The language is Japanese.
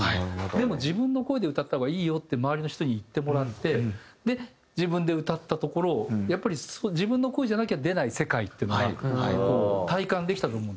でも「自分の声で歌った方がいいよ」って周りの人に言ってもらってで自分で歌ったところやっぱり自分の声じゃなきゃ出ない世界っていうのがこう体感できたと思う。